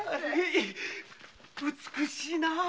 美しいなあ。